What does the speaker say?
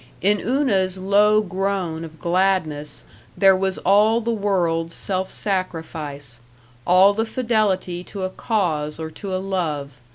In Una's low groan of gladness there was all the world's self sacrifice, all the fidelity to a cause or to a love.